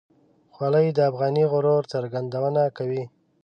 خولۍ د افغاني غرور څرګندونه کوي.